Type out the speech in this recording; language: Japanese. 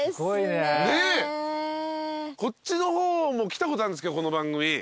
こっちの方も来たことあるんですけどこの番組。